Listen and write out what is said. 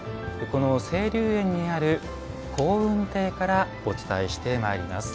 この清流園にある香雲亭からお伝えしてまいります。